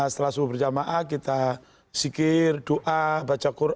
setelah subuh berjamaah kita zikir doa baca quran